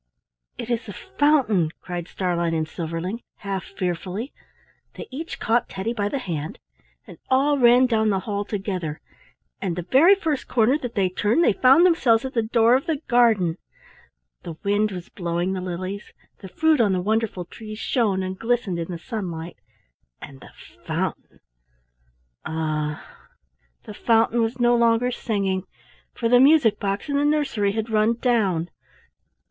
"It is the fountain!" cried Starlein and Silverling, half fearfully. They each caught Teddy by the hand, and all ran down the hall together, and the very first corner that they turned they found themselves at the door of the garden. The wind was blowing the lilies, the fruit on the wonderful trees shone and glistened in the sunlight, and the fountain —ah! the fountain was no longer singing, for the music box in the nursery had run down.